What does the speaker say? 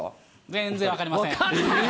全然分かりません。